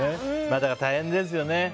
まあ、大変ですよね。